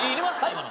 今の。